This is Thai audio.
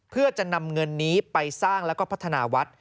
เพื่อจะนำเงินนี้ไปสร้างแล้วก็พัฒนาวัด